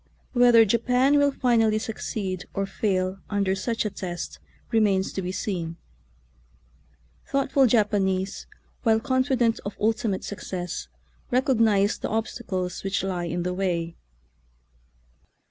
Whether Japan will finally succeed or fail under such a test remains to be seen. Thoughtful Japanese, while confident of ultimate success, recognize the obstacles which lie in the way.